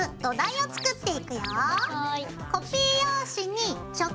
はい。